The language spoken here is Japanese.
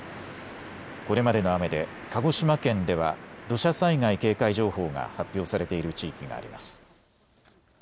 これまでの雨で鹿児島県では土砂災害警戒情報が発表されている地域があります。